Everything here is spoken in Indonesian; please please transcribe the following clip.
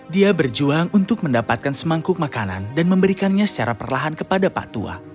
dia berjuang untuk mendapatkan semangkuk makanan dan memberikannya secara perlahan kepada pak tua